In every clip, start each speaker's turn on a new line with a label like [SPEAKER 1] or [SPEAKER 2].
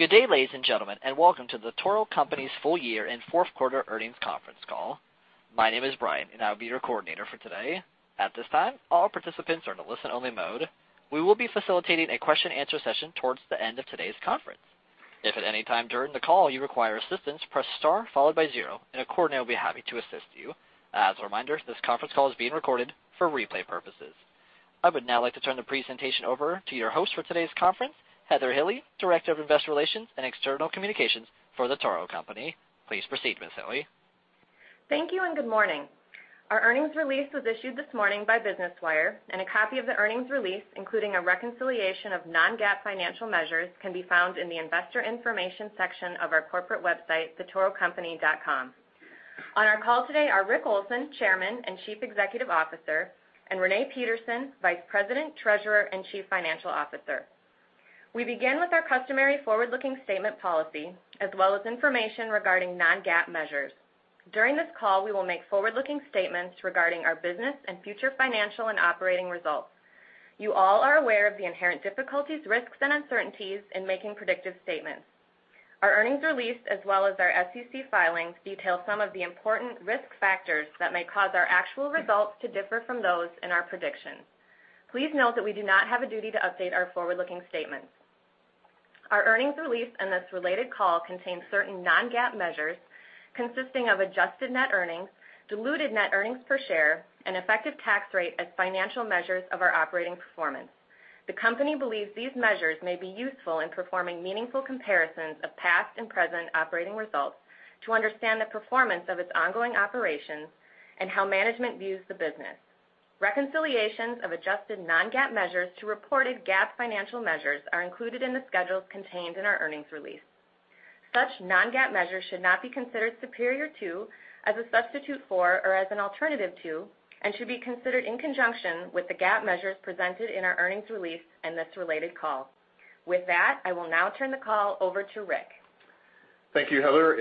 [SPEAKER 1] Good day, ladies and gentlemen, and welcome to The Toro Company's full year and fourth quarter earnings conference call. My name is Brian, and I will be your coordinator for today. At this time, all participants are in a listen-only mode. We will be facilitating a question and answer session towards the end of today's conference. If at any time during the call you require assistance, press star followed by zero, and a coordinator will be happy to assist you. As a reminder, this conference call is being recorded for replay purposes. I would now like to turn the presentation over to your host for today's conference, Heather Hille, Director of Investor Relations and External Communications for The Toro Company. Please proceed, Ms. Hille.
[SPEAKER 2] Thank you. Good morning. Our earnings release was issued this morning by Business Wire, and a copy of the earnings release, including a reconciliation of non-GAAP financial measures, can be found in the investor information section of our corporate website, thetorocompany.com. On our call today are Rick Olson, Chairman and Chief Executive Officer, and Renee Peterson, Vice President, Treasurer, and Chief Financial Officer. We begin with our customary forward-looking statement policy, as well as information regarding non-GAAP measures. You all are aware of the inherent difficulties, risks, and uncertainties in making predictive statements. Our earnings release, as well as our SEC filings, detail some of the important risk factors that may cause our actual results to differ from those in our predictions. Please note that we do not have a duty to update our forward-looking statements. Our earnings release and this related call contain certain non-GAAP measures consisting of adjusted net earnings, diluted net earnings per share, and effective tax rate as financial measures of our operating performance. The company believes these measures may be useful in performing meaningful comparisons of past and present operating results to understand the performance of its ongoing operations and how management views the business. Reconciliations of adjusted non-GAAP measures to reported GAAP financial measures are included in the schedules contained in our earnings release. Such non-GAAP measures should not be considered superior to, as a substitute for, or as an alternative to, and should be considered in conjunction with the GAAP measures presented in our earnings release and this related call. With that, I will now turn the call over to Rick.
[SPEAKER 3] Thank you, Heather.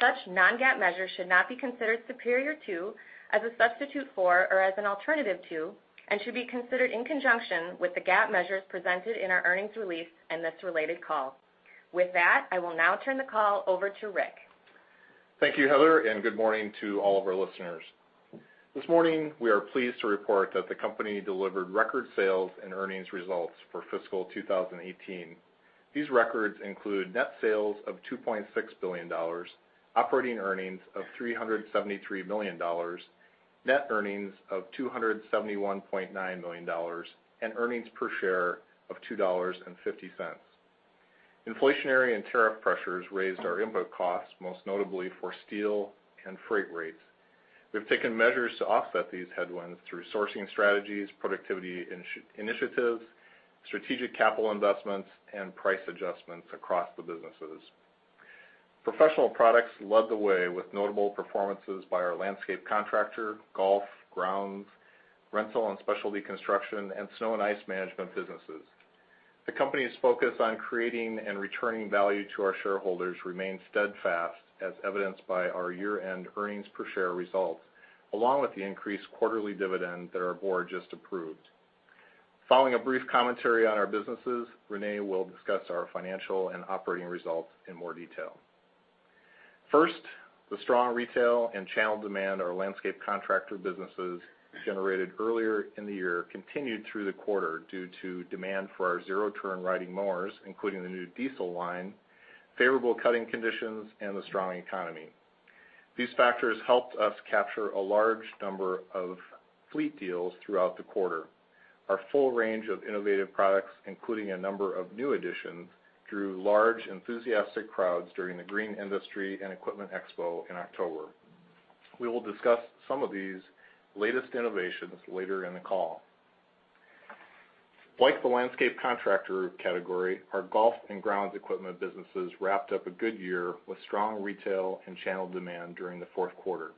[SPEAKER 3] Good morning to all of our listeners. This morning, we are pleased to report that the company delivered record sales and earnings results for fiscal 2018. These records include net sales of $2.6 billion, operating earnings of $373 million, net earnings of $271.9 million, and earnings per share of $2.50. Inflationary and tariff pressures raised our input costs, most notably for steel and freight rates. We've taken measures to offset these headwinds through sourcing strategies, productivity initiatives, strategic capital investments, and price adjustments across the businesses. First, the strong retail and channel demand our landscape contractor businesses generated earlier in the year continued through the quarter due to demand for our zero-turn riding mowers, including the new diesel line, favorable cutting conditions, and the strong economy. These factors helped us capture a large number of fleet deals throughout the quarter. Our full range of innovative products, including a number of new additions, drew large, enthusiastic crowds during the Green Industry and Equipment Expo in October. We will discuss some of these latest innovations later in the call. Like the landscape contractor category, our golf and grounds equipment businesses wrapped up a good year with strong retail and channel demand during the fourth quarter.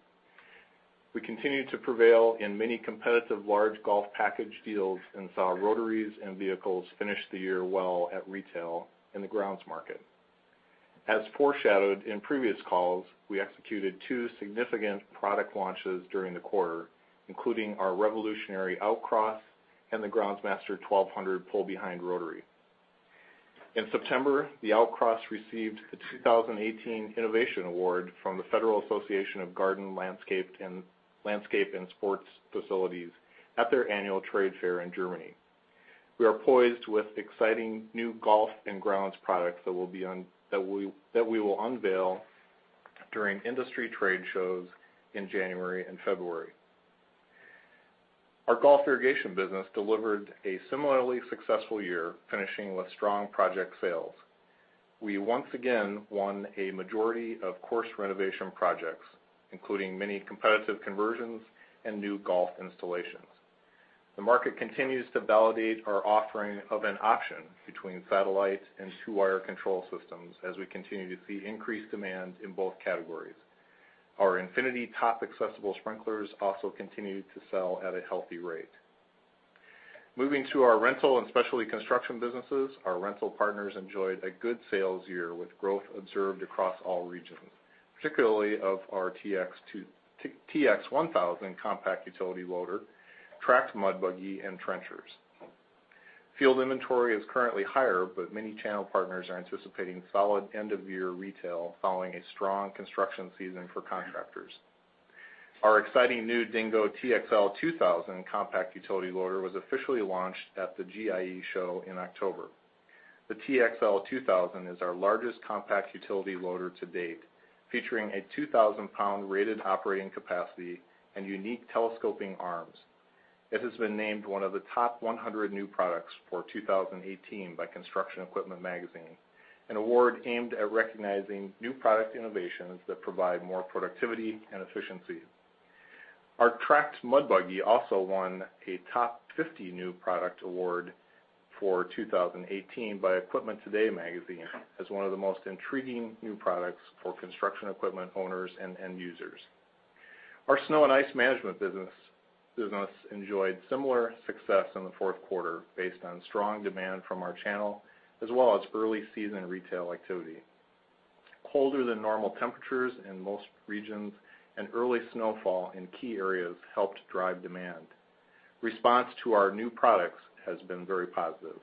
[SPEAKER 3] We continued to prevail in many competitive large golf package deals and saw rotaries and vehicles finish the year well at retail in the grounds market. As foreshadowed in previous calls, we executed two significant product launches during the quarter, including our revolutionary Outcross and the Groundsmaster 1200 pull-behind rotary. In September, the Outcross received the 2018 Innovation Award from the Federal Association of Garden Landscape and Sports Facilities at their annual trade fair in Germany. We are poised with exciting new golf and grounds products that we will unveil during industry trade shows in January and February. Our golf irrigation business delivered a similarly successful year, finishing with strong project sales. We once again won a majority of course renovation projects, including many competitive conversions and new golf installations. The market continues to validate our offering of an option between satellite and two-wire control systems as we continue to see increased demand in both categories. Our INFINITY top-accessible sprinklers also continue to sell at a healthy rate. Moving to our rental and specialty construction businesses, our rental partners enjoyed a good sales year with growth observed across all regions, particularly of our TX 1000 compact utility loader, tracked Mud Buggy, and trenchers. Field inventory is currently higher, but many channel partners are anticipating solid end-of-year retail following a strong construction season for contractors. Our exciting new Dingo TXL 2000 compact utility loader was officially launched at the GIE show in October. The TXL 2000 is our largest compact utility loader to date, featuring a 2,000-pound rated operating capacity and unique telescoping arms. It has been named one of the top 100 new products for 2018 by Construction Equipment, an award aimed at recognizing new product innovations that provide more productivity and efficiency. Our tracked Mud Buggy also won a Top 50 New Product Award for 2018 by Equipment Today as one of the most intriguing new products for construction equipment owners and end users. Our snow and ice management business enjoyed similar success in the fourth quarter based on strong demand from our channel, as well as early-season retail activity. Colder than normal temperatures in most regions and early snowfall in key areas helped drive demand. Response to our new products has been very positive.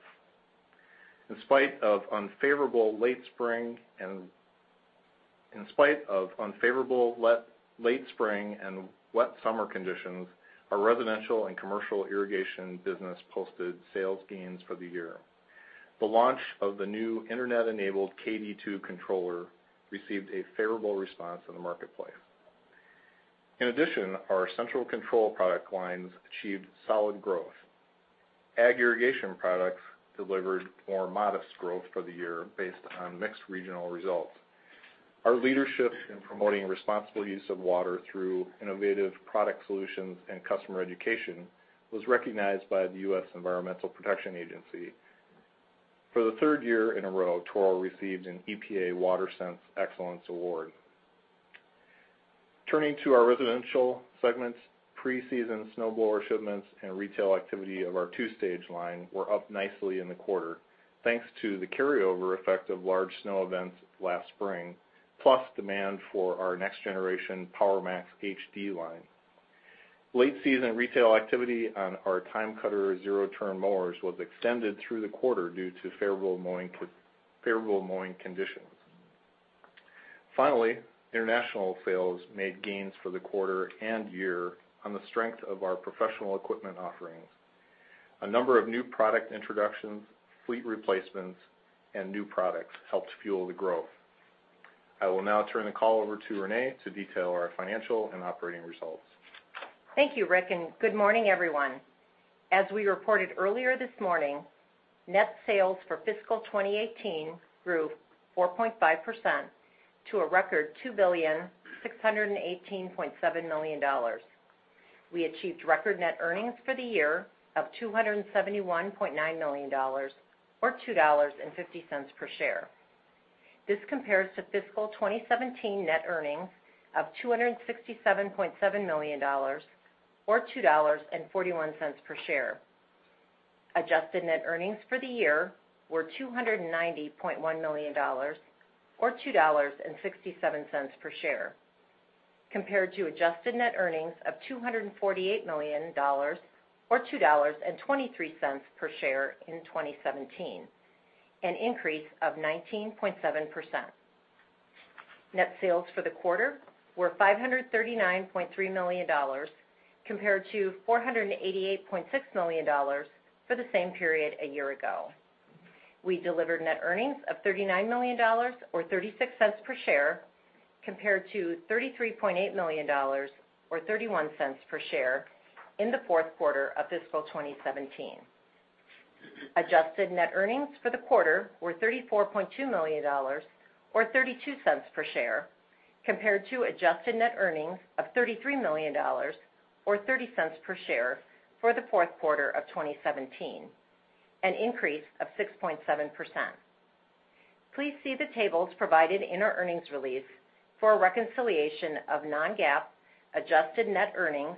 [SPEAKER 3] In spite of unfavorable late spring and wet summer conditions, our residential and commercial irrigation business posted sales gains for the year. The launch of the new internet-enabled KD2 Series controller received a favorable response in the marketplace. In addition, our central control product lines achieved solid growth. Ag irrigation products delivered more modest growth for the year based on mixed regional results. Our leadership in promoting responsible use of water through innovative product solutions and customer education was recognized by the U.S. Environmental Protection Agency. For the third year in a row, Toro received an EPA WaterSense Excellence Award. Turning to our residential segments, pre-season snowblower shipments and retail activity of our 2-stage line were up nicely in the quarter, thanks to the carryover effect of large snow events last spring, plus demand for our next-generation Power Max HD line. Late-season retail activity on our TimeCutter zero-turn mowers was extended through the quarter due to favorable mowing conditions. Finally, international sales made gains for the quarter and year on the strength of our professional equipment offerings. A number of new product introductions, fleet replacements, and new products helped fuel the growth. I will now turn the call over to Renee to detail our financial and operating results.
[SPEAKER 4] Thank you, Rick, and good morning everyone. As we reported earlier this morning, net sales for fiscal 2018 grew 4.5% to a record $2,618,700,000. We achieved record net earnings for the year of $271.9 million, or $2.50 per share. This compares to fiscal 2017 net earnings of $267.7 million, or $2.41 per share. Adjusted net earnings for the year were $290.1 million, or $2.67 per share, compared to adjusted net earnings of $248 million, or $2.23 per share in 2017, an increase of 19.7%. Net sales for the quarter were $539.3 million compared to $488.6 million for the same period a year ago. We delivered net earnings of $39 million or $0.36 per share compared to $33.8 million or $0.31 per share in the fourth quarter of fiscal 2017. Adjusted net earnings for the quarter were $34.2 million or $0.32 per share compared to adjusted net earnings of $33 million or $0.30 per share for the fourth quarter of 2017, an increase of 6.7%. Please see the tables provided in our earnings release for a reconciliation of non-GAAP adjusted net earnings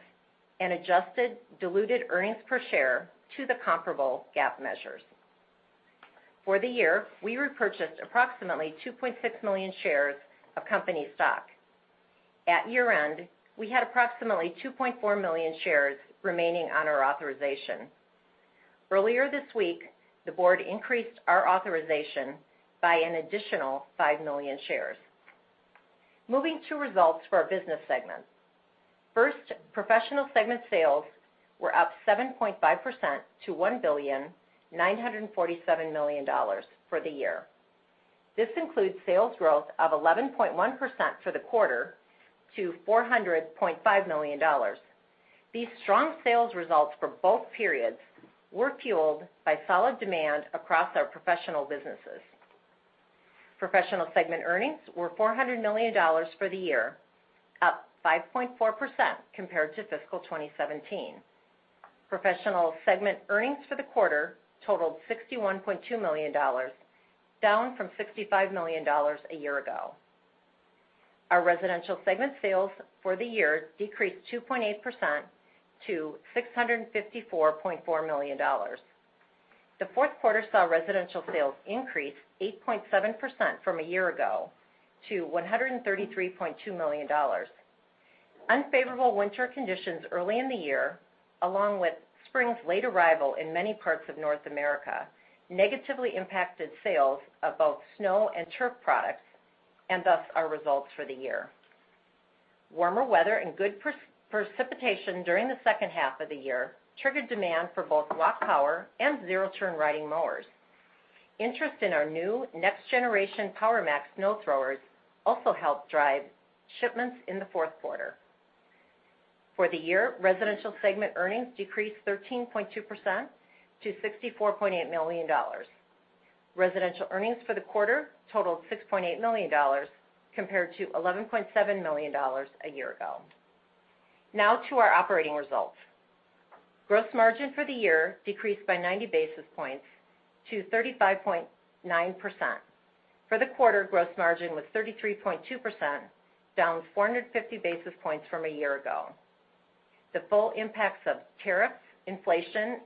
[SPEAKER 4] and adjusted diluted earnings per share to the comparable GAAP measures. For the year, we repurchased approximately 2.6 million shares of company stock. At year-end, we had approximately 2.4 million shares remaining on our authorization. Earlier this week, the board increased our authorization by an additional 5 million shares. Moving to results for our business segments. First, Professional Segment sales were up 7.5% to $1,947,000,000 for the year. This includes sales growth of 11.1% for the quarter to $400.5 million. These strong sales results for both periods were fueled by solid demand across our professional businesses. Professional Segment earnings were $400 million for the year, up 5.4% compared to fiscal 2017. Professional Segment earnings for the quarter totaled $61.2 million, down from $65 million a year ago. Our Residential Segment sales for the year decreased 2.8% to $654.4 million. The fourth quarter saw Residential sales increase 8.7% from a year ago to $133.2 million. Unfavorable winter conditions early in the year, along with spring's late arrival in many parts of North America, negatively impacted sales of both snow and turf products, and thus our results for the year. Warmer weather and good precipitation during the second half of the year triggered demand for both walk power and zero-turn riding mowers. Interest in our new next-generation Power Max snow throwers also helped drive shipments in the fourth quarter. For the year, Residential Segment earnings decreased 13.2% to $64.8 million. Residential Segment earnings for the quarter totaled $6.8 million, compared to $11.7 million a year ago. Now to our operating results. Gross margin for the year decreased by 90 basis points to 35.9%. For the quarter, gross margin was 33.2%, down 450 basis points from a year ago. The full impacts of tariffs, inflation,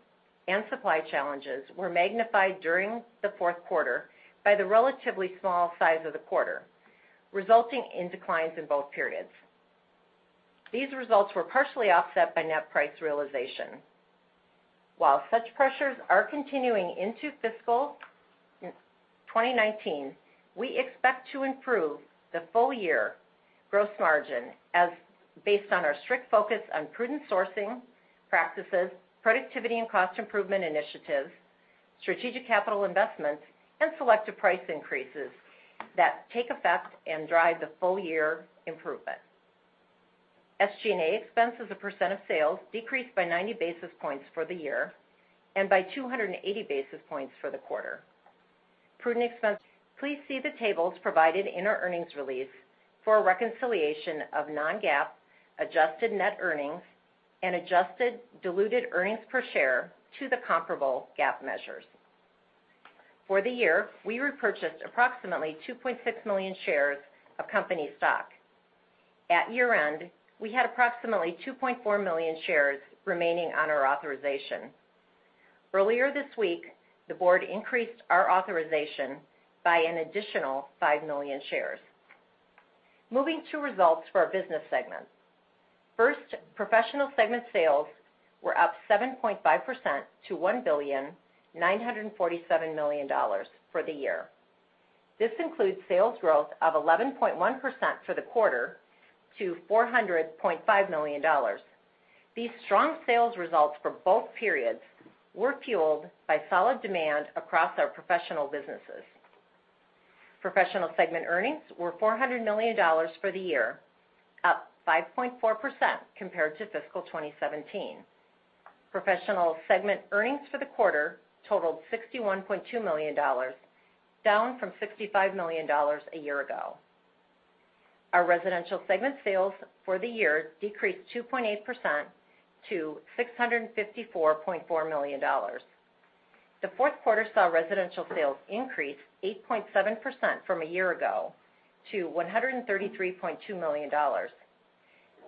[SPEAKER 4] and supply challenges were magnified during the fourth quarter by the relatively small size of the quarter, resulting in declines in both periods. These results were partially offset by net price realization. While such pressures are continuing into fiscal 2019, we expect to improve the full year gross margin based on our strict focus on prudent sourcing practices, productivity and cost improvement initiatives, strategic capital investments, and selective price increases that take effect and drive the full year improvement. SG&A expense as a percent of sales decreased by 90 basis points for the year and by 280 basis points for the quarter. Please see the tables provided in our earnings release for a reconciliation of non-GAAP adjusted net earnings and adjusted diluted earnings per share to the comparable GAAP measures. For the year, we repurchased approximately 2.6 million shares of company stock. At year-end, we had approximately 2.4 million shares remaining on our authorization. Earlier this week, the board increased our authorization by an additional 5 million shares. Moving to results for our business segments. First, Professional Segment sales were up 7.5% to $1,947,000,000 for the year. This includes sales growth of 11.1% for the quarter to $400.5 million. These strong sales results for both periods were fueled by solid demand across our professional businesses. Professional segment earnings were $400 million for the year, up 5.4% compared to fiscal 2017. Professional segment earnings for the quarter totaled $61.2 million, down from $65 million a year ago. Our Residential segment sales for the year decreased 2.8% to $654.4 million. The fourth quarter saw Residential sales increase 8.7% from a year ago to $133.2 million.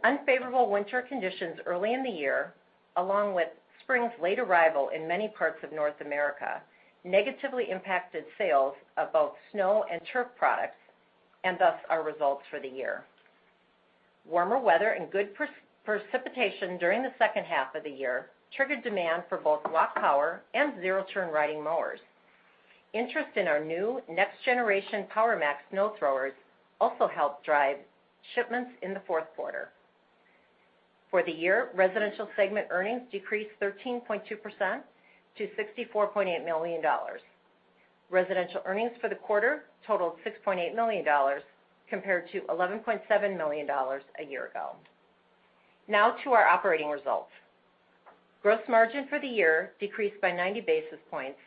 [SPEAKER 4] Unfavorable winter conditions early in the year, along with spring's late arrival in many parts of North America, negatively impacted sales of both snow and turf products, and thus our results for the year. Warmer weather and good precipitation during the second half of the year triggered demand for both walk power and zero-turn riding mowers. Interest in our new next-generation Power Max snow throwers also helped drive shipments in the fourth quarter. For the year, Residential segment earnings decreased 13.2% to $64.8 million. Residential earnings for the quarter totaled $6.8 million compared to $11.7 million a year ago. Now to our operating results. Gross margin for the year decreased by 90 basis points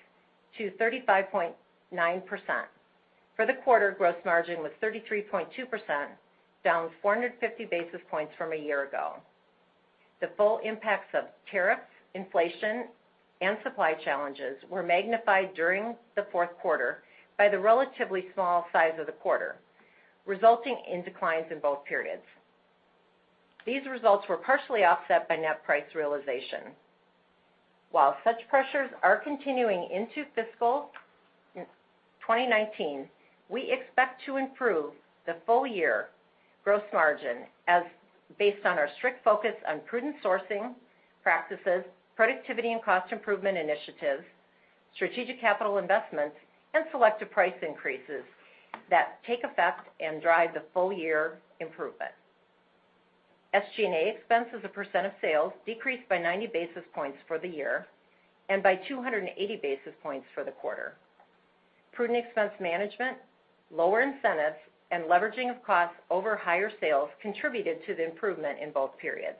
[SPEAKER 4] to 35.9%. For the quarter, gross margin was 33.2%, down 450 basis points from a year ago. The full impacts of tariffs, inflation, and supply challenges were magnified during the fourth quarter by the relatively small size of the quarter, resulting in declines in both periods. These results were partially offset by net price realization. While such pressures are continuing into fiscal 2019, we expect to improve the full year gross margin based on our strict focus on prudent sourcing practices, productivity and cost improvement initiatives, strategic capital investments, and selective price increases that take effect and drive the full-year improvement. SG&A expense as a percent of sales decreased by 90 basis points for the year and by 280 basis points for the quarter. Prudent expense management, lower incentives, and leveraging of costs over higher sales contributed to the improvement in both periods.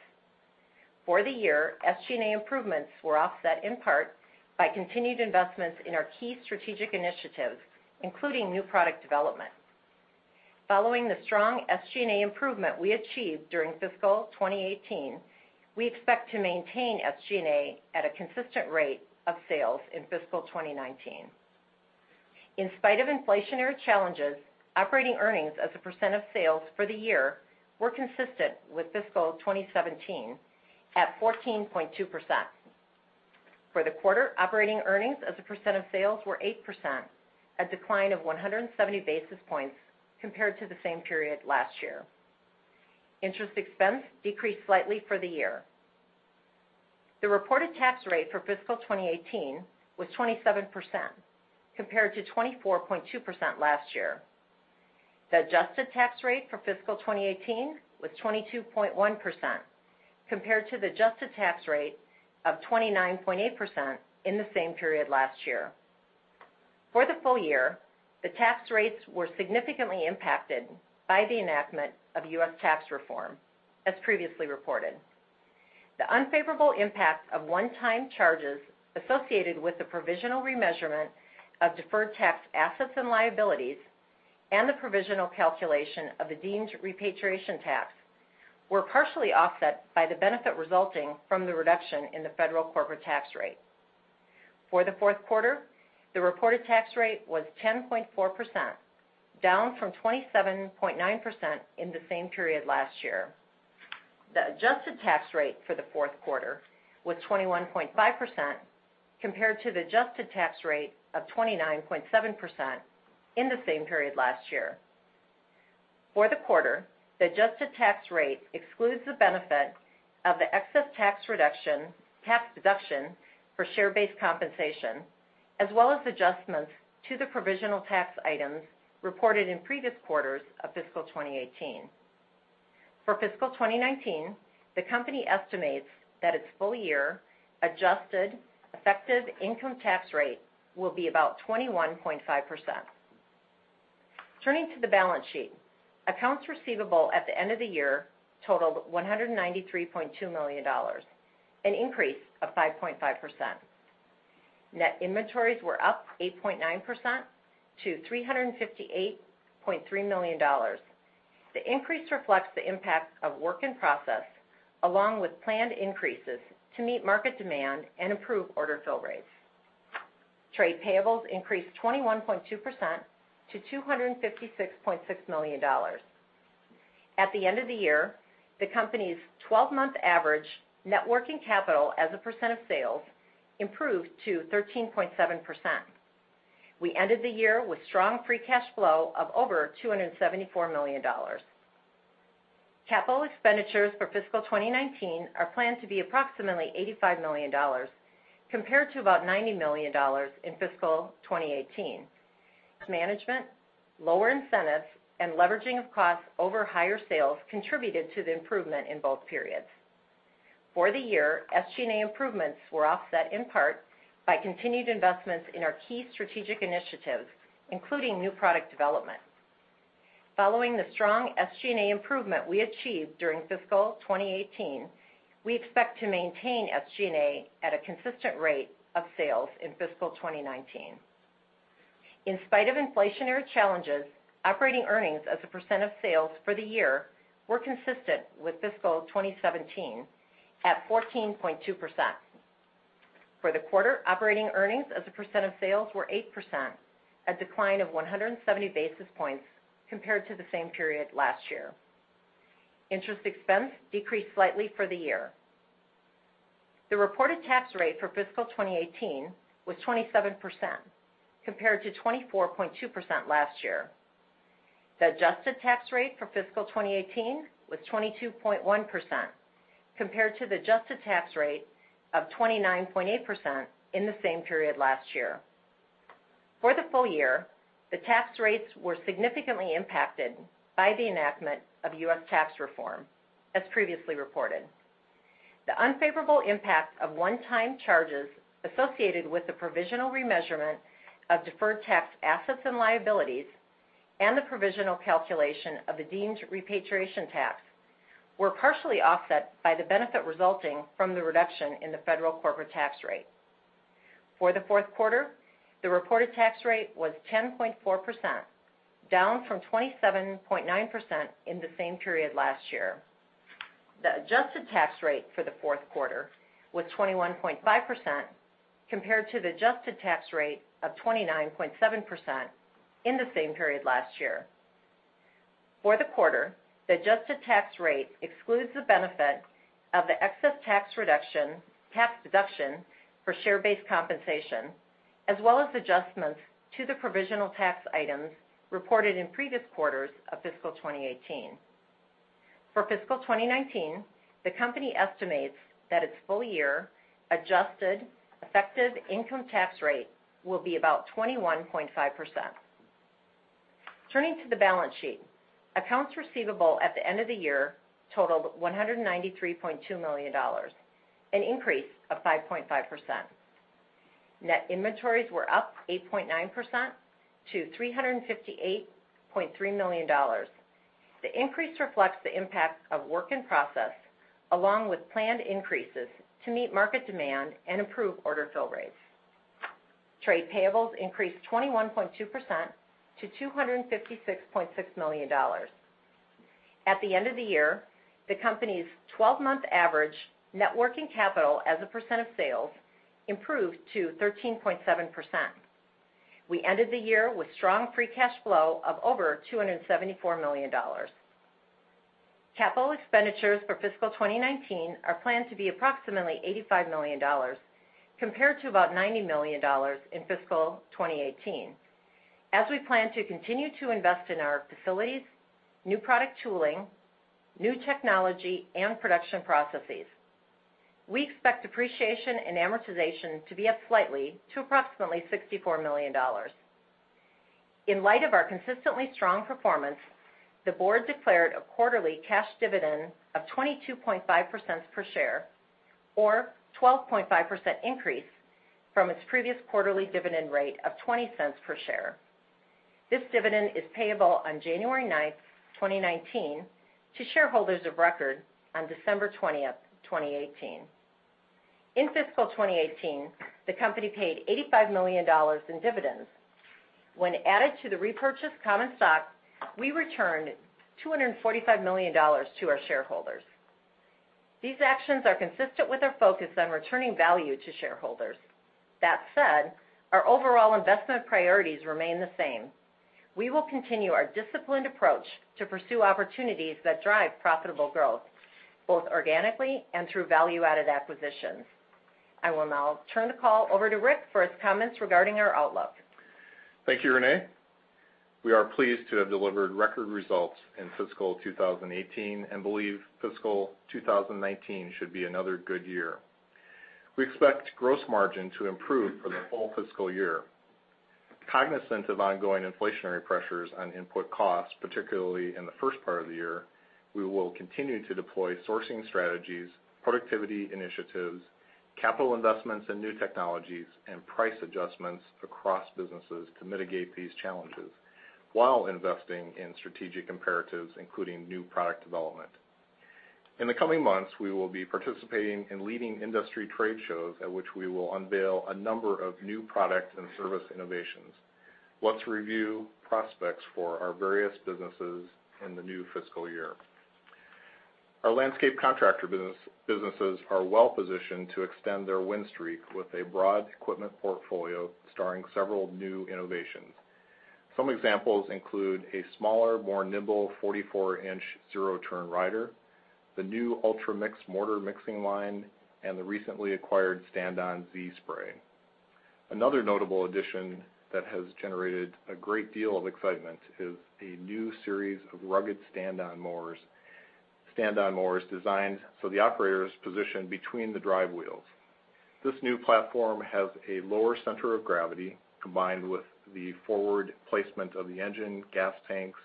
[SPEAKER 4] For the year, SG&A improvements were offset in part by continued investments in our key strategic initiatives, including new product development. Following the strong SG&A improvement we achieved during fiscal 2018, we expect to maintain SG&A at a consistent rate of sales in fiscal 2019. In spite of inflationary challenges, operating earnings as a percent of sales for the year were consistent with fiscal 2017 at 14.2%. For the quarter, operating earnings as a percent of sales were 8%, a decline of 170 basis points compared to the same period last year. Interest expense decreased slightly for the year. The reported tax rate for fiscal 2018 was 27%, compared to 24.2% last year. The adjusted tax rate for fiscal 2018 was 22.1%, compared to the adjusted tax rate of 29.8% in the same period last year. For the full year, the tax rates were significantly impacted by the enactment of U.S. tax reform, as previously reported. The unfavorable impact of one-time charges associated with the provisional remeasurement of deferred tax assets and liabilities and the provisional calculation of the deemed repatriation tax were partially offset by the benefit resulting from the reduction in the federal corporate tax rate. For the fourth quarter, the reported tax rate was 10.4%, down from 27.9% in the same period last year. The adjusted tax rate for the fourth quarter was 21.5%, compared to the adjusted tax rate of 29.7% in the same period last year. For the quarter, the adjusted tax rate excludes the benefit of the excess tax deduction for share-based compensation, as well as adjustments to the provisional tax items reported in previous quarters of fiscal 2018. For fiscal 2019, the company estimates that its full-year adjusted effective income tax rate will be about 21.5%. Turning to the balance sheet, accounts receivable at the end of the year totaled $193.2 million, an increase of 5.5%. Net inventories were up 8.9% to $358.3 million. The increase reflects the impact of work in process, along with planned increases to meet market demand and improve order fill rates. Trade payables increased 21.2% to $256.6 million. At the end of the year, the company's 12-month average net working capital as a percent of sales improved to 13.7%. We ended the year with strong free cash flow of over $274 million. Capital expenditures for fiscal 2019 are planned to be approximately $85 million compared to about $90 million in fiscal 2018. Management, lower incentives, and leveraging of costs over higher sales contributed to the improvement in both periods. For the year, SG&A improvements were offset in part by continued investments in our key strategic initiatives, including new product development. Following the strong SG&A improvement we achieved during fiscal 2018, we expect to maintain SG&A at a consistent rate of sales in fiscal 2019. In spite of inflationary challenges, operating earnings as a percent of sales for the year were consistent with fiscal 2017, at 14.2%. For the quarter, operating earnings as a percent of sales were 8%, a decline of 170 basis points compared to the same period last year. Interest expense decreased slightly for the year. The reported tax rate for fiscal 2018 was 27%, compared to 24.2% last year. The adjusted tax rate for fiscal 2018 was 22.1%, compared to the adjusted tax rate of 29.8% in the same period last year. For the full year, the tax rates were significantly impacted by the enactment of U.S. tax reform, as previously reported. The unfavorable impact of one-time charges associated with the provisional remeasurement of deferred tax assets and liabilities, and the provisional calculation of the deemed repatriation tax, were partially offset by the benefit resulting from the reduction in the federal corporate tax rate. For the fourth quarter, the reported tax rate was 10.4%, down from 27.9% in the same period last year. The adjusted tax rate for the fourth quarter was 21.5%, compared to the adjusted tax rate of 29.7% in the same period last year. For the quarter, the adjusted tax rate excludes the benefit of the excess tax deduction for share-based compensation, as well as adjustments to the provisional tax items reported in previous quarters of fiscal 2018. For fiscal 2019, the company estimates that its full-year adjusted effective income tax rate will be about 21.5%. Turning to the balance sheet, accounts receivable at the end of the year totaled $193.2 million, an increase of 5.5%. Net inventories were up 8.9% to $358.3 million. The increase reflects the impact of work in process, along with planned increases to meet market demand and improve order fill rates. Trade payables increased 21.2% to $256.6 million. At the end of the year, the company's 12-month average net working capital as a percent of sales improved to 13.7%. We ended the year with strong free cash flow of over $274 million. Capital expenditures for fiscal 2019 are planned to be approximately $85 million compared to about $90 million in fiscal 2018, as we plan to continue to invest in our facilities, new product tooling, new technology, and production processes. We expect depreciation and amortization to be up slightly to approximately $64 million. In light of our consistently strong performance, the board declared a quarterly cash dividend of 22.5% per share, or 12.5% increase from its previous quarterly dividend rate of $0.20 per share. This dividend is payable on January 9th, 2019, to shareholders of record on December 20th, 2018. In fiscal 2018, the company paid $85 million in dividends. When added to the repurchased common stock, we returned $245 million to our shareholders. These actions are consistent with our focus on returning value to shareholders. That said, our overall investment priorities remain the same. We will continue our disciplined approach to pursue opportunities that drive profitable growth, both organically and through value-added acquisitions. I will now turn the call over to Rick for his comments regarding our outlook.
[SPEAKER 3] Thank you, Renee. We are pleased to have delivered record results in fiscal 2018 and believe fiscal 2019 should be another good year. We expect gross margin to improve for the full fiscal year. Cognizant of ongoing inflationary pressures on input costs, particularly in the first part of the year, we will continue to deploy sourcing strategies, productivity initiatives, capital investments in new technologies, and price adjustments across businesses to mitigate these challenges, while investing in strategic imperatives, including new product development. In the coming months, we will be participating in leading industry trade shows, at which we will unveil a number of new product and service innovations. Let's review prospects for our various businesses in the new fiscal year. Our landscape contractor businesses are well positioned to extend their win streak with a broad equipment portfolio starring several new innovations. Some examples include a smaller, more nimble 44-inch zero-turn rider, the new UltraMix mortar mixing line, and the recently acquired stand-on Z-Spray. Another notable addition that has generated a great deal of excitement is a new series of rugged stand-on mowers designed so the operator is positioned between the drive wheels. This new platform has a lower center of gravity, combined with the forward placement of the engine, gas tanks,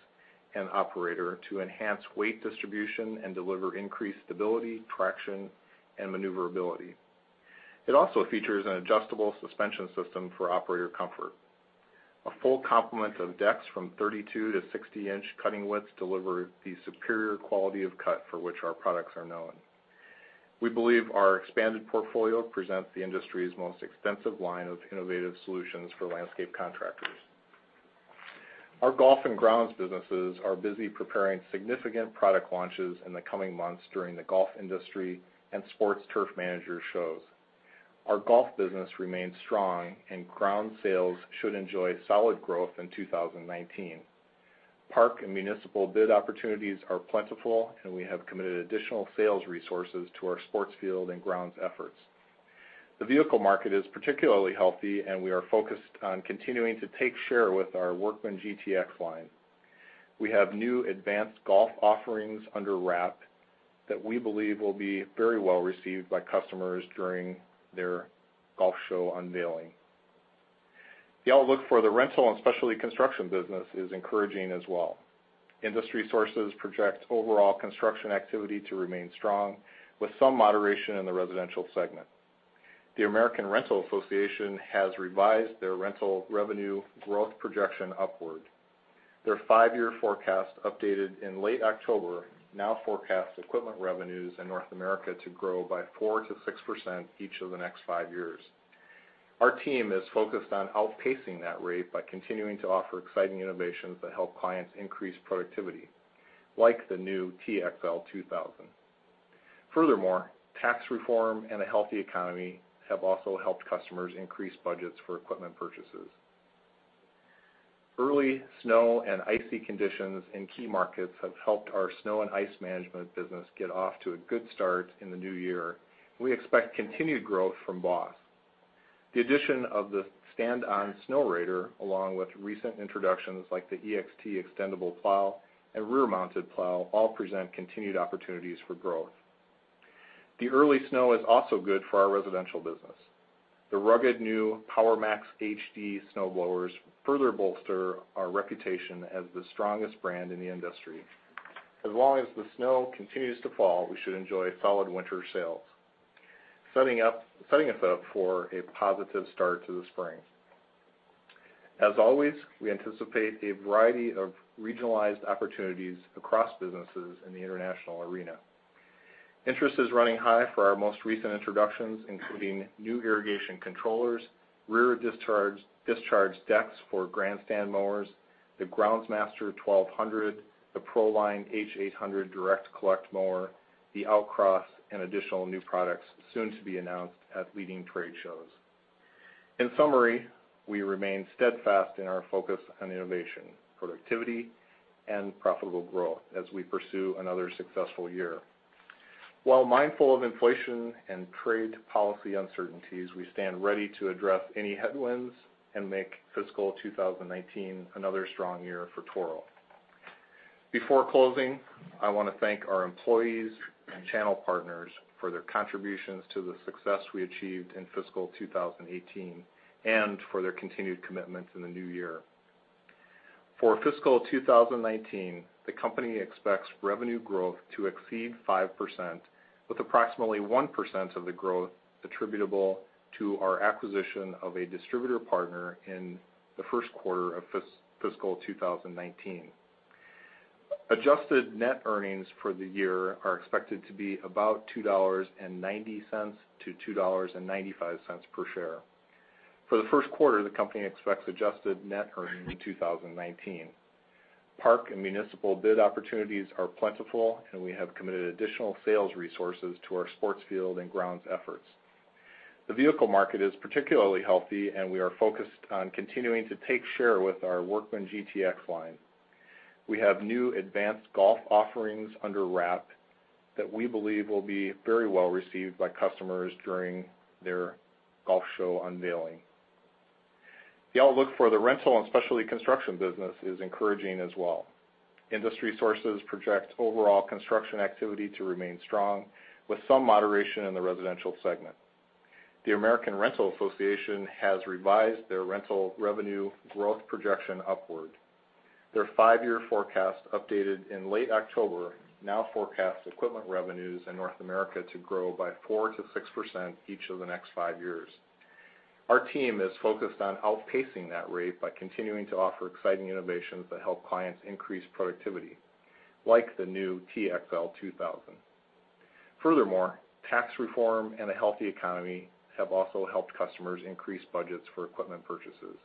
[SPEAKER 3] and operator to enhance weight distribution and deliver increased stability, traction, and maneuverability. It also features an adjustable suspension system for operator comfort. A full complement of decks from 32- to 60-inch cutting widths deliver the superior quality of cut for which our products are known. We believe our expanded portfolio presents the industry's most extensive line of innovative solutions for landscape contractors. Our golf and grounds businesses are busy preparing significant product launches in the coming months during the golf industry and sports turf manager shows. Our golf business remains strong, and grounds sales should enjoy solid growth in 2019. Park and municipal bid opportunities are plentiful, and we have committed additional sales resources to our sports field and grounds efforts. The vehicle market is particularly healthy, and we are focused on continuing to take share with our Workman GTX line. We have new advanced golf offerings under wrap that we believe will be very well-received by customers during their golf show unveiling. The outlook for the rental and specialty construction business is encouraging as well. Industry sources project overall construction activity to remain strong, with some moderation in the residential segment. The American Rental Association has revised their rental revenue growth projection upward. Their five-year forecast, updated in late October, now forecasts equipment revenues in North America to grow by 4%-6% each of the next five years. Our team is focused on outpacing that rate by continuing to offer exciting innovations that help clients increase productivity, like the new TXL 2000. Furthermore, tax reform and a healthy economy have also helped customers increase budgets for equipment purchases. Early snow and icy conditions in key markets have helped our snow and ice management business get off to a good start in the new year. We expect continued growth from BOSS. The addition of the stand-on Snowrator, along with recent introductions like the EXT Extendable Plow and Rear Mounted Plow, all present continued opportunities for growth. The early snow is also good for our residential business. The rugged new Power Max HD snow blowers further bolster our reputation as the strongest brand in the industry. As long as the snow continues to fall, we should enjoy solid winter sales, setting us up for a positive start to the spring. As always, we anticipate a variety of regionalized opportunities across businesses in the international arena. Interest is running high for our most recent introductions, including new irrigation controllers, rear discharge decks for GrandStand mowers, the Groundsmaster 1200, the ProLine H800 Direct Collect mower, the Outcross, and additional new products soon to be announced at leading trade shows. In summary, we remain steadfast in our focus on innovation, productivity, and profitable growth as we pursue another successful year. While mindful of inflation and trade policy uncertainties, we stand ready to address any headwinds and make fiscal 2019 another strong year for Toro. Before closing, I want to thank our employees and channel partners for their contributions to the success we achieved in fiscal 2018 and for their continued commitment in the new year. For fiscal 2019, the company expects revenue growth to exceed 5%, with approximately 1% of the growth attributable to our acquisition of a distributor partner in the first quarter of fiscal 2019. Adjusted net earnings for the year are expected to be about $2.90-$2.95 per share. For the first quarter, the company expects adjusted net earnings in 2019. Park and municipal bid opportunities are plentiful, and we have committed additional sales resources to our sports field and grounds efforts. The vehicle market is particularly healthy, and we are focused on continuing to take share with our Workman GTX line. We have new advanced golf offerings under wrap that we believe will be very well-received by customers during their golf show unveiling. The outlook for the rental and specialty construction business is encouraging as well. Industry sources project overall construction activity to remain strong, with some moderation in the residential segment. The American Rental Association has revised their rental revenue growth projection upward. Their five-year forecast, updated in late October, now forecasts equipment revenues in North America to grow by 4%-6% each of the next five years. Our team is focused on outpacing that rate by continuing to offer exciting innovations that help clients increase productivity, like the new TXL 2000. Furthermore, tax reform and a healthy economy have also helped customers increase budgets for equipment purchases.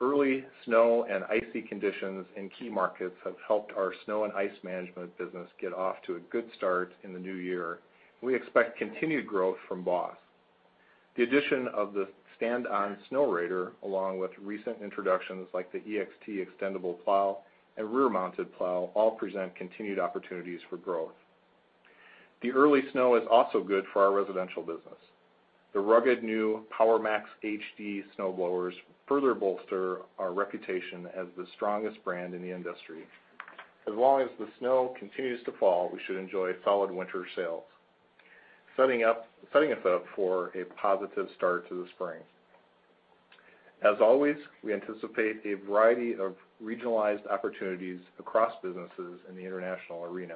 [SPEAKER 3] Early snow and icy conditions in key markets have helped our snow and ice management business get off to a good start in the new year. We expect continued growth from BOSS. The addition of the stand-on Snowrator, along with recent introductions like the EXT Extendable Plow and Rear-Mounted Plow, all present continued opportunities for growth. The early snow is also good for our residential business. The rugged new Power Max HD snowblowers further bolster our reputation as the strongest brand in the industry. As long as the snow continues to fall, we should enjoy solid winter sales, setting us up for a positive start to the spring. As always, we anticipate a variety of regionalized opportunities across businesses in the international arena.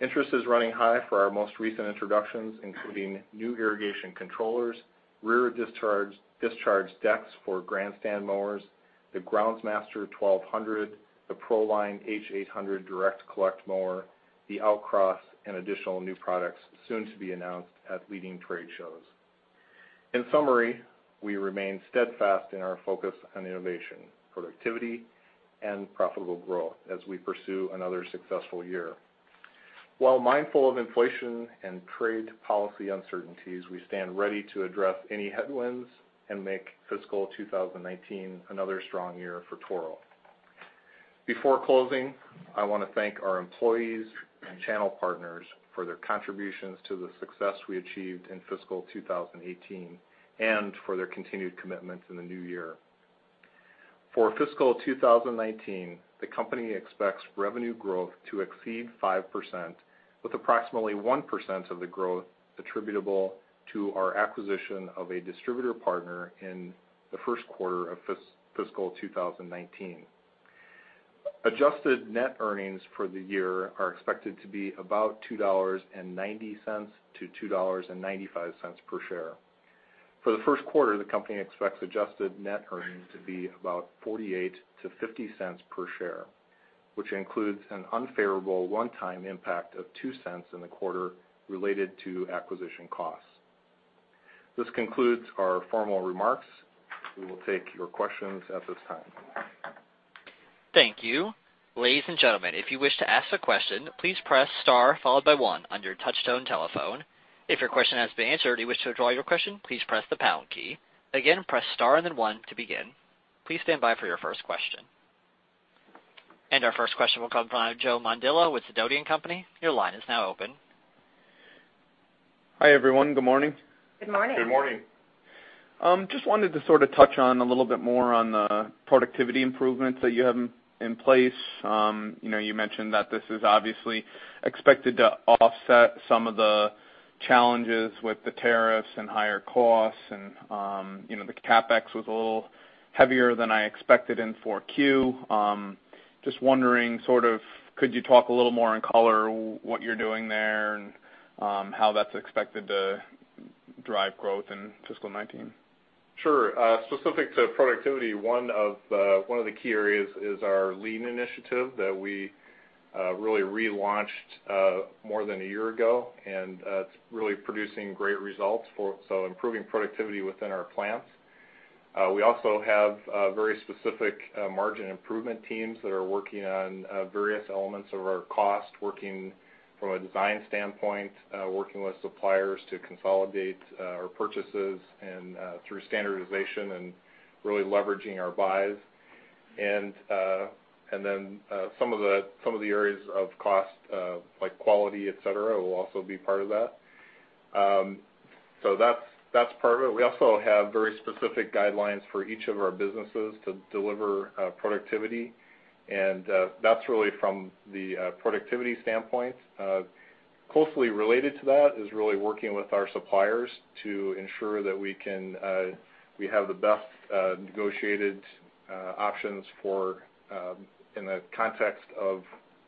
[SPEAKER 3] Interest is running high for our most recent introductions, including new irrigation controllers, rear discharge decks for GrandStand mowers, the Groundsmaster 1200, the ProLine H800 direct collect mower, the Outcross, and additional new products soon to be announced at leading trade shows. In summary, we remain steadfast in our focus on innovation, productivity, and profitable growth as we pursue another successful year. While mindful of inflation and trade policy uncertainties, we stand ready to address any headwinds and make fiscal 2019 another strong year for Toro. Before closing, I want to thank our employees and channel partners for their contributions to the success we achieved in fiscal 2018 and for their continued commitment in the new year. For fiscal 2019, the company expects revenue growth to exceed 5%, with approximately 1% of the growth attributable to our acquisition of a distributor partner in the first quarter of fiscal 2019. Adjusted net earnings for the year are expected to be about $2.90-$2.95 per share. For the first quarter, the company expects adjusted net earnings to be about $0.48-$0.50 per share, which includes an unfavorable one-time impact of $0.02 in the quarter related to acquisition costs. This concludes our formal remarks. We will take your questions at this time.
[SPEAKER 1] Thank you. Ladies and gentlemen, if you wish to ask a question, please press star followed by one on your touchtone telephone. If your question has been answered and you wish to withdraw your question, please press the pound key. Again, press star and then one to begin. Please stand by for your first question. Our first question will come from Joe Mondillo with Sidoti & Co. Your line is now open.
[SPEAKER 5] Hi, everyone. Good morning.
[SPEAKER 3] Good morning.
[SPEAKER 5] Just wanted to sort of touch on a little bit more on the productivity improvements that you have in place. You mentioned that this is obviously expected to offset some of the challenges with the tariffs and higher costs. The CapEx was a little heavier than I expected in 4Q. Just wondering, could you talk a little more in color what you're doing there and how that's expected to drive growth in fiscal 2019?
[SPEAKER 3] Sure. Specific to productivity, one of the key areas is our lean initiative that we really relaunched more than a year ago, and it's really producing great results, so improving productivity within our plants. We also have very specific margin improvement teams that are working on various elements of our cost, working from a design standpoint, working with suppliers to consolidate our purchases through standardization and really leveraging our buys. Then some of the areas of cost, like quality, et cetera, will also be part of that. That's part of it. We also have very specific guidelines for each of our businesses to deliver productivity, and that's really from the productivity standpoint. Closely related to that is really working with our suppliers to ensure that we have the best negotiated options in the context of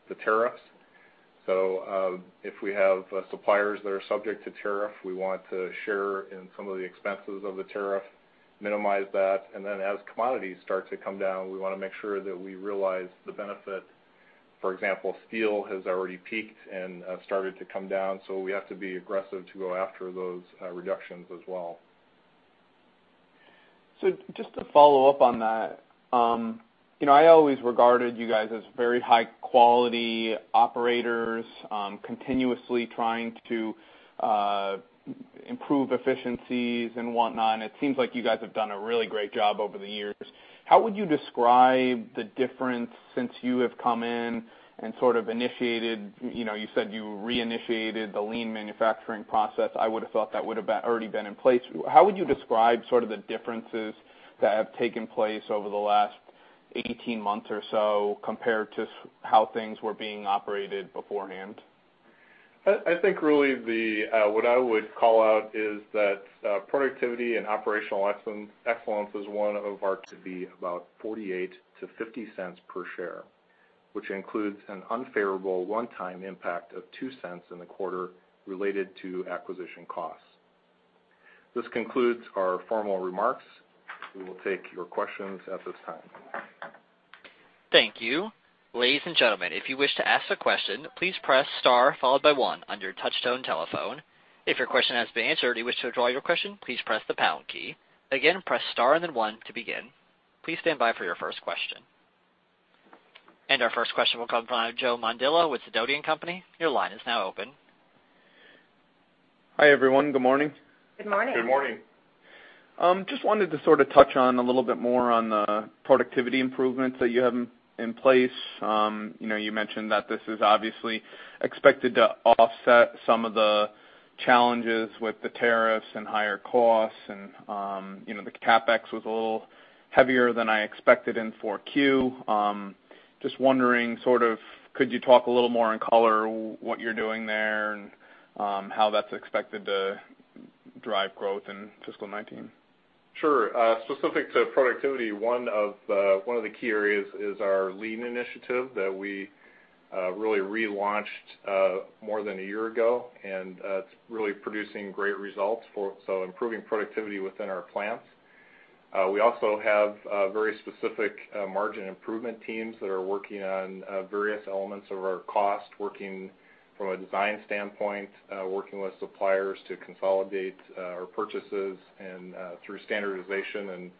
[SPEAKER 3] the tariffs. If we have suppliers that are subject to tariff, we want to share in some of the expenses of the tariff, minimize that, and then as commodities start to come down, we want to make sure that we realize the benefit. For example, steel has already peaked and started to come down, so we have to be aggressive to go after those reductions as well.
[SPEAKER 5] Just to follow up on that, I always regarded you guys as very high-quality operators, continuously trying to improve efficiencies and whatnot, and it seems like you guys have done a really great job over the years. How would you describe the difference since you have come in and sort of initiated, you said you re-initiated the lean manufacturing process. I would've thought that would've already been in place. How would you describe sort of the differences that have taken place over the last 18 months or so compared to how things were being operated beforehand?
[SPEAKER 3] I think really what I would call out is that productivity and operational excellence is one of our key about $0.48 to $0.50 per share, which includes an unfavorable one-time impact of $0.02 in the quarter related to acquisition costs. This concludes our formal remarks. We will take your questions at this time.
[SPEAKER 1] Thank you. Ladies and gentlemen, if you wish to ask a question, please press star followed by one on your touchtone telephone. If your question has been answered and you wish to withdraw your question, please press the pound key. Again, press star and then one to begin. Please stand by for your first question. Our first question will come from Joe Mondillo with Sidoti & Co. Your line is now open.
[SPEAKER 5] Hi, everyone. Good morning.
[SPEAKER 3] Good morning.
[SPEAKER 5] Just wanted to sort of touch on a little bit more on the productivity improvements that you have in place. You mentioned that this is obviously expected to offset some of the challenges with the tariffs and higher costs. The CapEx was a little heavier than I expected in 4Q. Just wondering, could you talk a little more in color what you're doing there and how that's expected to drive growth in fiscal 2019?
[SPEAKER 3] Sure. Specific to productivity, one of the key areas is our lean initiative that we really relaunched more than a year ago, and it's really producing great results, so improving productivity within our plants. We also have very specific margin improvement teams that are working on various elements of our cost, working from a design standpoint, working with suppliers to consolidate our purchases through standardization and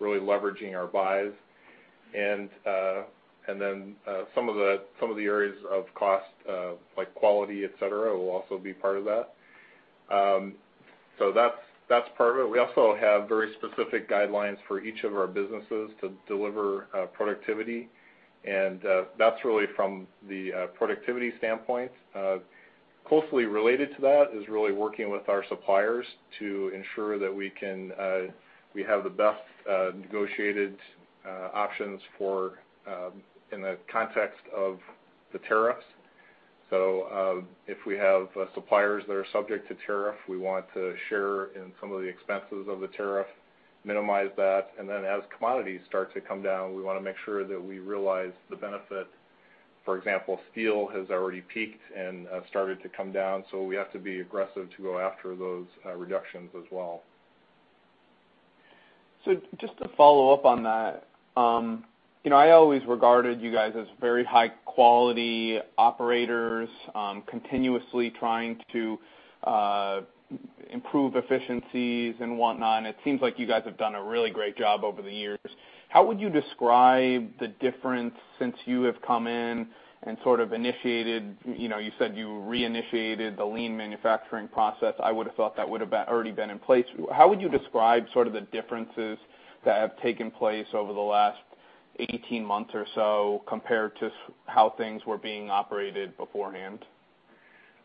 [SPEAKER 3] really leveraging our buys. Some of the areas of cost, like quality, et cetera, will also be part of that. That's part of it. We also have very specific guidelines for each of our businesses to deliver productivity, and that's really from the productivity standpoint. Closely related to that is really working with our suppliers to ensure that we have the best negotiated options in the context of the tariffs. If we have suppliers that are subject to tariff, we want to share in some of the expenses of the tariff, minimize that, and then as commodities start to come down, we want to make sure that we realize the benefit. For example, steel has already peaked and started to come down, we have to be aggressive to go after those reductions as well.
[SPEAKER 5] Just to follow up on that. I always regarded you guys as very high-quality operators, continuously trying to improve efficiencies and whatnot, and it seems like you guys have done a really great job over the years. How would you describe the difference since you have come in and sort of initiated You said you re-initiated the lean manufacturing process. I would've thought that would've already been in place. How would you describe sort of the differences that have taken place over the last 18 months or so compared to how things were being operated beforehand?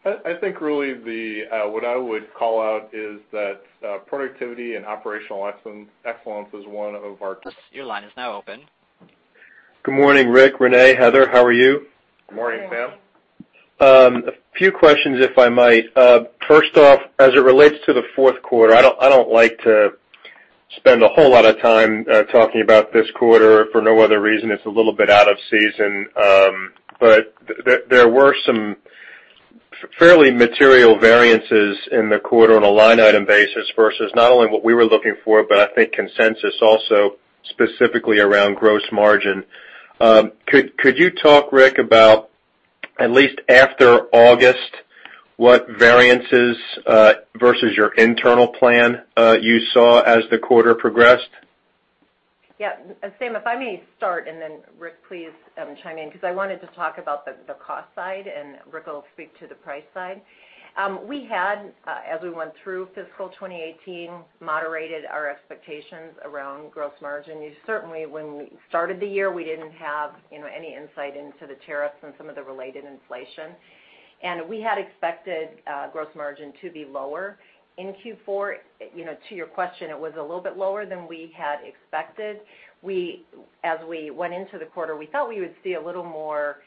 [SPEAKER 3] I think really what I would call out is that productivity and operational excellence is one of our-
[SPEAKER 1] Your line is now open.
[SPEAKER 6] Good morning, Rick, Renee, Heather. How are you?
[SPEAKER 3] Good morning, Sam.
[SPEAKER 4] Good morning.
[SPEAKER 6] A few questions, if I might. First off, as it relates to the fourth quarter, I don't like to spend a whole lot of time talking about this quarter for no other reason, it's a little bit out of season. There were some fairly material variances in the quarter on a line item basis versus not only what we were looking for, but I think consensus also, specifically around gross margin. Could you talk, Rick, about at least after August, what variances versus your internal plan you saw as the quarter progressed?
[SPEAKER 4] Yeah. Sam, if I may start, then Rick, please chime in, because I wanted to talk about the cost side, and Rick will speak to the price side. We had, as we went through fiscal 2018, moderated our expectations around gross margin. Certainly, when we started the year, we didn't have any insight into the tariffs and some of the related inflation. We had expected gross margin to be lower in Q4. To your question, it was a little bit lower than we had expected. As we went into the quarter, we thought we would see a little more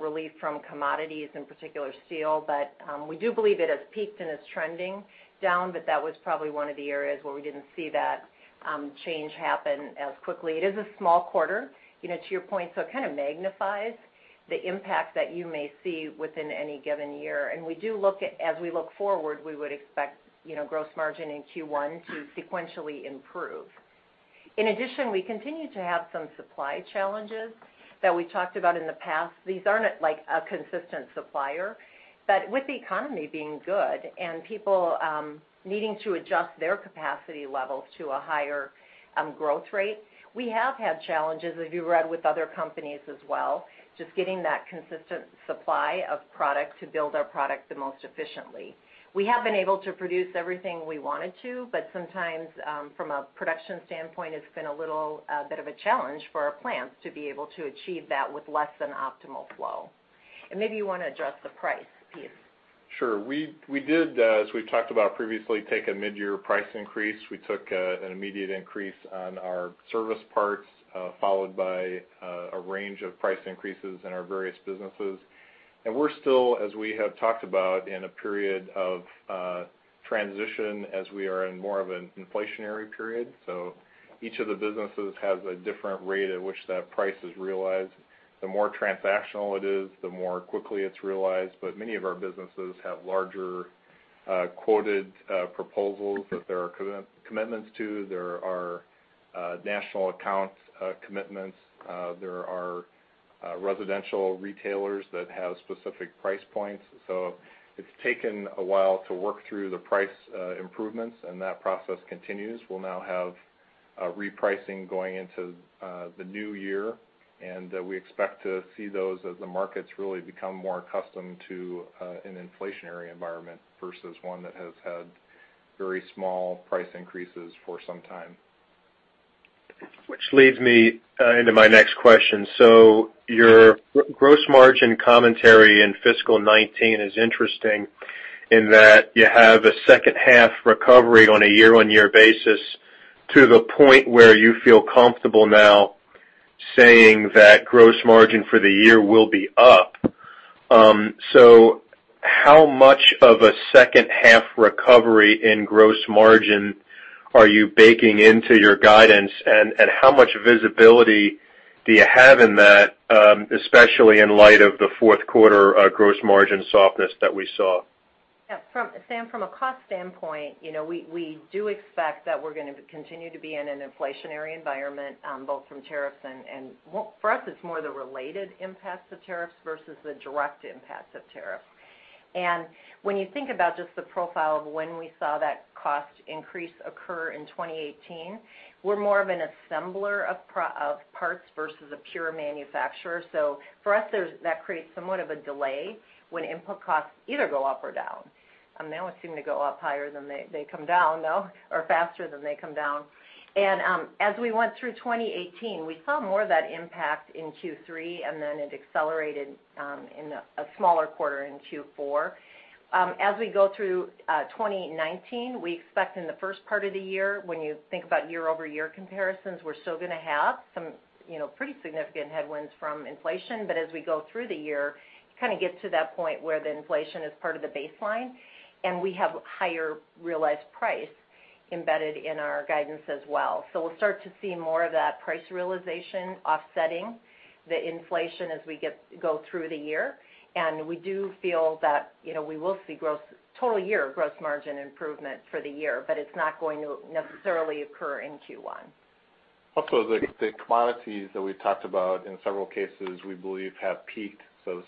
[SPEAKER 4] relief from commodities, in particular steel, but we do believe it has peaked and is trending down, that was probably one of the areas where we didn't see that change happen as quickly. It is a small quarter, to your point, so it kind of magnifies the impact that you may see within any given year. As we look forward, we would expect gross margin in Q1 to sequentially improve. In addition, we continue to have some supply challenges that we talked about in the past. These aren't like a consistent supplier. With the economy being good and people needing to adjust their capacity levels to a higher growth rate, we have had challenges, as you read with other companies as well, just getting that consistent supply of product to build our product the most efficiently. We have been able to produce everything we wanted to, but sometimes, from a production standpoint, it's been a little bit of a challenge for our plants to be able to achieve that with less than optimal flow. Maybe you want to address the price piece.
[SPEAKER 3] Sure. We did, as we've talked about previously, take a mid-year price increase. We took an immediate increase on our service parts, followed by a range of price increases in our various businesses. We're still, as we have talked about, in a period of transition as we are in more of an inflationary period. Each of the businesses has a different rate at which that price is realized. The more transactional it is, the more quickly it's realized, but many of our businesses have larger quoted proposals that there are commitments to. There are national account commitments. There are residential retailers that have specific price points. It's taken a while to work through the price improvements, and that process continues. We'll now have repricing going into the new year, we expect to see those as the markets really become more accustomed to an inflationary environment versus one that has had very small price increases for some time.
[SPEAKER 6] Which leads me into my next question. Your gross margin commentary in fiscal 2019 is interesting in that you have a second half recovery on a year-over-year basis to the point where you feel comfortable now saying that gross margin for the year will be up. How much of a second half recovery in gross margin are you baking into your guidance, and how much visibility do you have in that, especially in light of the fourth quarter gross margin softness that we saw?
[SPEAKER 4] Sam, from a cost standpoint, we do expect that we're going to continue to be in an inflationary environment both from tariffs. For us, it's more the related impacts of tariffs versus the direct impacts of tariffs. When you think about just the profile of when we saw that cost increase occur in 2018, we're more of an assembler of parts versus a pure manufacturer. For us, that creates somewhat of a delay when input costs either go up or down. They always seem to go up higher than they come down, though, or faster than they come down. As we went through 2018, we saw more of that impact in Q3, then it accelerated in a smaller quarter in Q4. We go through 2019, we expect in the first part of the year, when you think about year-over-year comparisons, we're still going to have some pretty significant headwinds from inflation. As we go through the year, kind of get to that point where the inflation is part of the baseline, and we have higher realized price embedded in our guidance as well. We'll start to see more of that price realization offsetting the inflation as we go through the year. We do feel that we will see total year gross margin improvement for the year, but it's not going to necessarily occur in Q1.
[SPEAKER 3] Also, the commodities that we've talked about in several cases, we believe have peaked.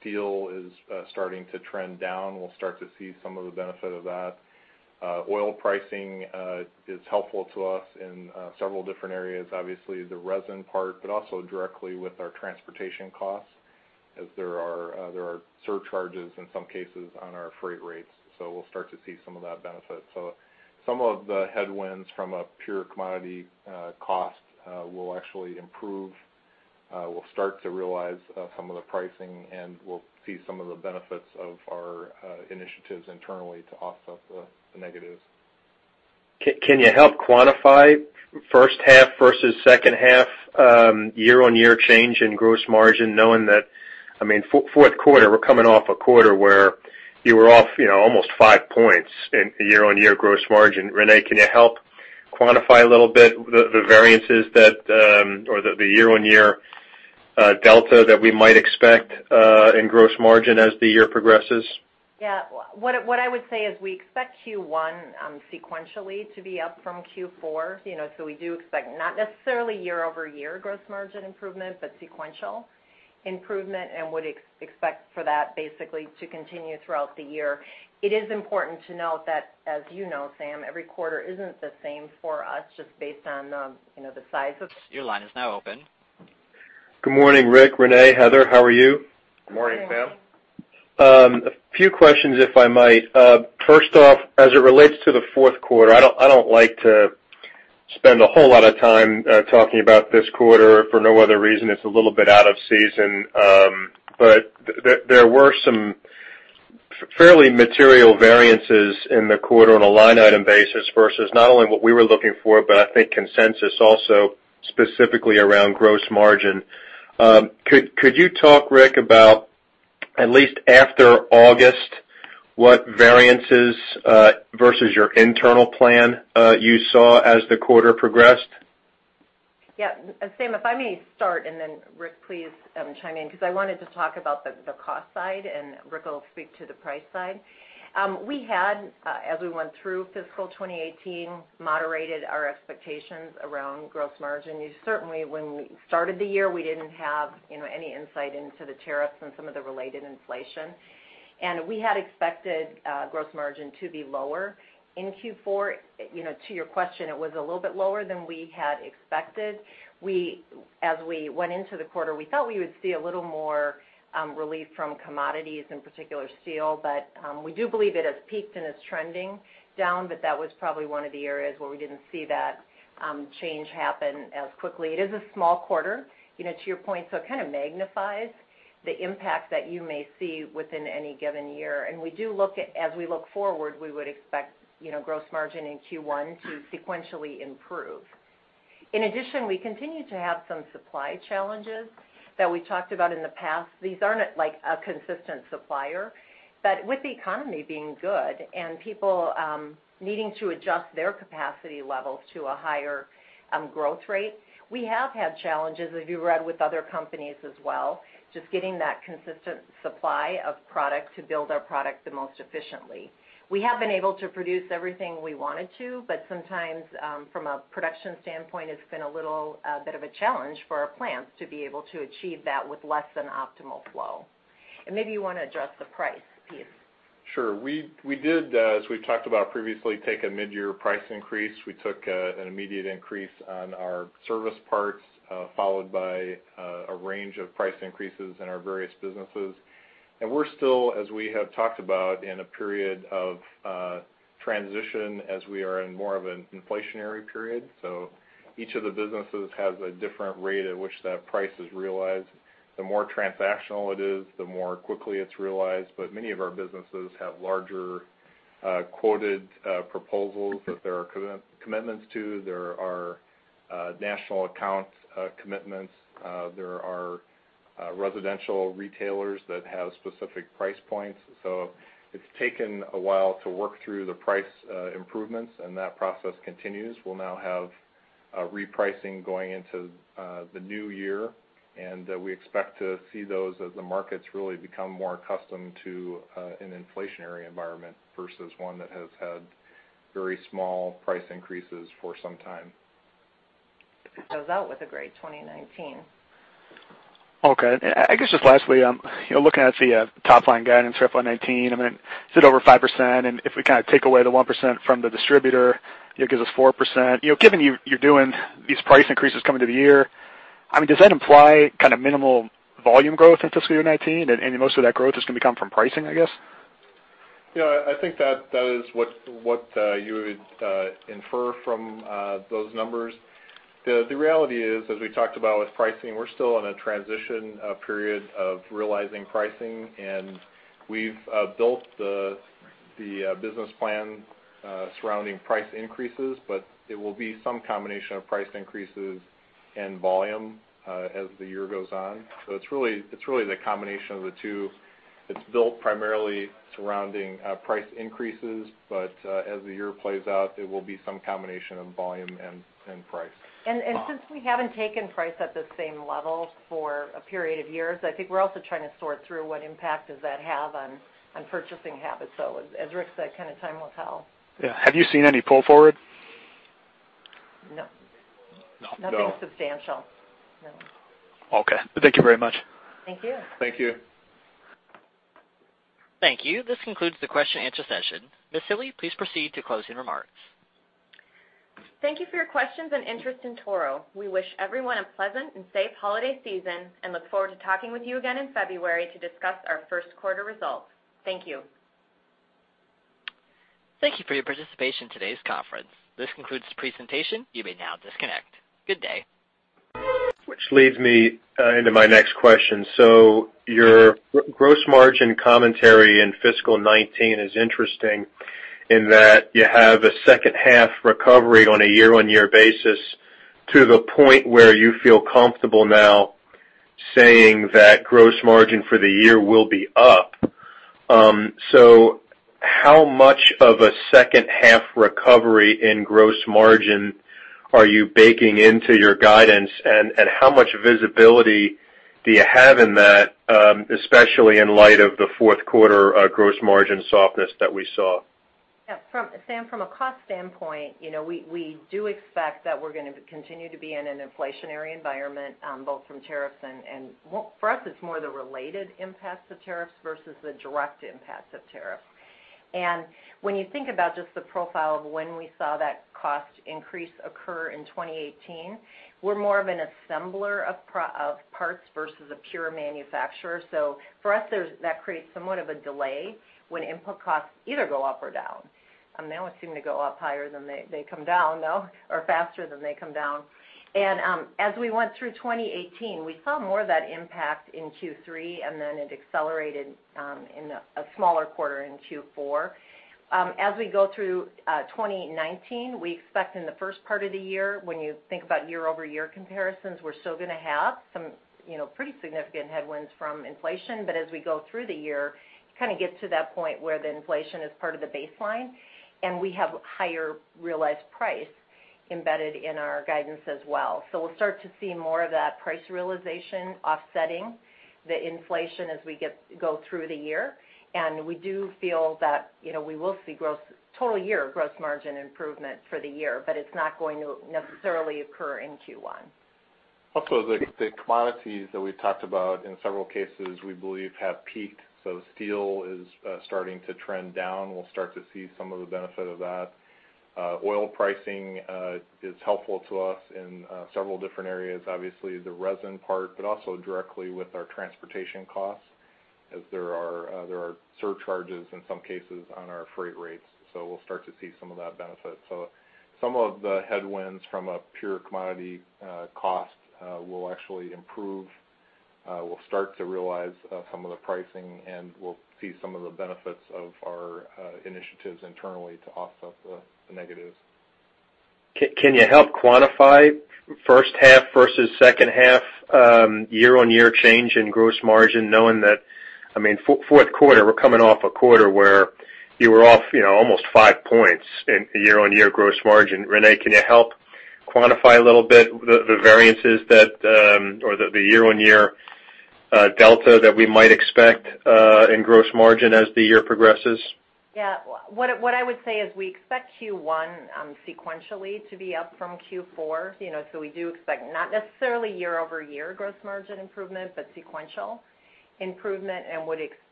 [SPEAKER 3] Steel is starting to trend down. We'll start to see some of the benefit of that. Oil pricing is helpful to us in several different areas. Obviously, the resin part, but also directly with our transportation costs as there are surcharges in some cases on our freight rates. We'll start to see some of that benefit. Some of the headwinds from a pure commodity cost will actually improve. We'll start to realize some of the pricing, we'll see some of the benefits of our initiatives internally to offset the negatives.
[SPEAKER 6] Can you help quantify first half versus second half year-on-year change in gross margin, knowing that fourth quarter, we're coming off a quarter where you were off almost five points in year-on-year gross margin. Renee, can you help quantify a little bit the variances or the year-on-year delta that we might expect in gross margin as the year progresses?
[SPEAKER 4] Yeah. What I would say is we expect Q1 sequentially to be up from Q4. We do expect not necessarily year-over-year gross margin improvement, but sequential improvement, would expect for that basically to continue throughout the year. It is important to note that, as you know, Sam, every quarter isn't the same for us.
[SPEAKER 1] Your line is now open.
[SPEAKER 6] Good morning, Rick, Renee, Heather. How are you?
[SPEAKER 3] Good morning, Sam.
[SPEAKER 4] Good morning.
[SPEAKER 6] A few questions, if I might. First off, as it relates to the fourth quarter, I don't like to spend a whole lot of time talking about this quarter for no other reason. It's a little bit out of season. There were some fairly material variances in the quarter on a line item basis versus not only what we were looking for, but I think consensus also, specifically around gross margin. Could you talk, Rick, about, at least after August, what variances versus your internal plan you saw as the quarter progressed?
[SPEAKER 4] Yeah. Sam, if I may start, and then Rick, please chime in, because I wanted to talk about the cost side, and Rick will speak to the price side. We had, as we went through fiscal 2018, moderated our expectations around gross margin. Certainly, when we started the year, we didn't have any insight into the tariffs and some of the related inflation. We had expected gross margin to be lower in Q4. To your question, it was a little bit lower than we had expected. As we went into the quarter, we felt we would see a little more relief from commodities, in particular steel. We do believe it has peaked and is trending down, but that was probably one of the areas where we didn't see that change happen as quickly. It is a small quarter, to your point, so it kind of magnifies the impact that you may see within any given year. As we look forward, we would expect gross margin in Q1 to sequentially improve. In addition, we continue to have some supply challenges that we talked about in the past. These aren't like a consistent supplier. With the economy being good and people needing to adjust their capacity levels to a higher growth rate, we have had challenges, as you read with other companies as well, just getting that consistent supply of product to build our product the most efficiently. We have been able to produce everything we wanted to, but sometimes, from a production standpoint, it's been a little bit of a challenge for our plants to be able to achieve that with less than optimal flow. Maybe you want to address the price piece.
[SPEAKER 3] Sure. We did, as we've talked about previously, take a mid-year price increase. We took an immediate increase on our service parts, followed by a range of price increases in our various businesses. We're still, as we have talked about, in a period of transition as we are in more of an inflationary period. Each of the businesses has a different rate at which that price is realized. The more transactional it is, the more quickly it's realized. Many of our businesses have larger quoted proposals that there are commitments to. There are national account commitments. There are residential retailers that have specific price points. It's taken a while to work through the price improvements, and that process continues. We'll now have repricing going into the new year. We expect to see those as the markets really become more accustomed to an inflationary environment versus one that has had very small price increases for some time.
[SPEAKER 4] It goes out with a great 2019.
[SPEAKER 7] Okay. I guess just lastly, looking at the top-line guidance for 2019, it's at over 5%. If we take away the 1% from the distributor, it gives us 4%. Given you're doing these price increases coming to the year, does that imply minimal volume growth in fiscal year 2019,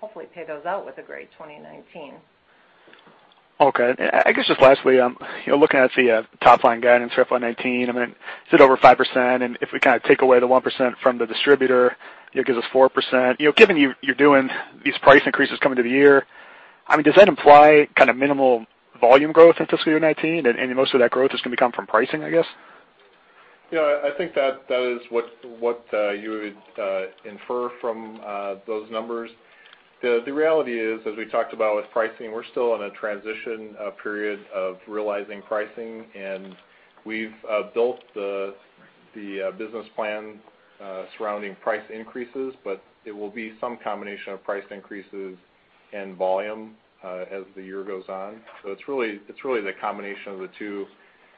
[SPEAKER 7] and most of that growth is going to come from pricing, I guess?
[SPEAKER 3] Yeah, I think that is what you would infer from those numbers. The reality is, as we talked about with pricing, we're still in a transition period of realizing pricing, and we've built the business plan surrounding price increases, but it will be some combination of price increases and volume as the year goes on. It's really the combination of the two.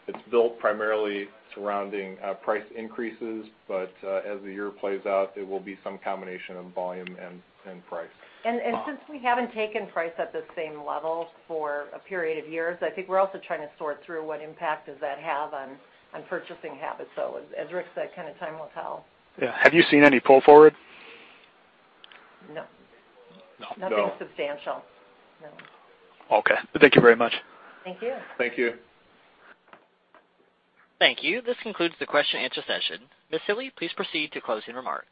[SPEAKER 3] It's built primarily surrounding price increases, but as the year plays out, it will be some combination of volume and price.
[SPEAKER 4] Since we haven't taken price at the same level for a period of years, I think we're also trying to sort through what impact does that have on purchasing habits. As Rick said, time will tell.
[SPEAKER 7] Yeah. Have you seen any pull forward?
[SPEAKER 4] No.
[SPEAKER 3] No.
[SPEAKER 4] Nothing substantial. No.
[SPEAKER 7] Okay. Thank you very much.
[SPEAKER 4] Thank you.
[SPEAKER 3] Thank you.
[SPEAKER 1] Thank you. This concludes the question and answer session. Ms. Hille, please proceed to closing remarks.